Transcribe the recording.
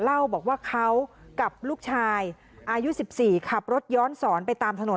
เล่าบอกว่าเขากับลูกชายอายุ๑๔ขับรถย้อนสอนไปตามถนน